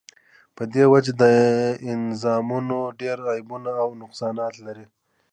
په دی وجه دا نظامونه ډیر عیبونه او نقصانات لری